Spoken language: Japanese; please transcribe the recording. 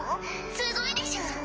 すごいでしょ！